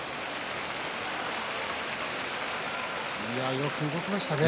よく動きましたね。